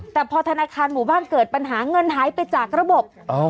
แต่พอธนาคารหมู่บ้านเกิดปัญหาเงินหายไปจากระบบ